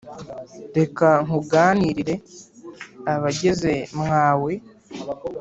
Reka nkuganirire abageze mwawe